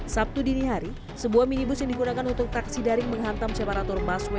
sabtu dini hari sebuah minibus yang digunakan untuk taksi daring menghantam separator busway